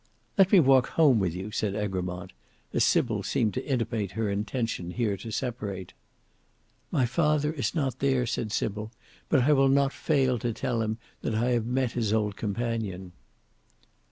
"Let me walk home with you," said Egremont, as Sybil seemed to intimate her intention here to separate. "My father is not there," said Sybil; "but I will not fail to tell him that I have met his old companion."